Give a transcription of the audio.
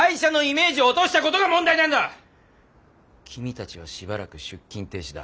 君たちはしばらく出勤停止だ。